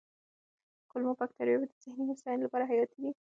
کولمو بکتریاوې د ذهني هوساینې لپاره حیاتي دي.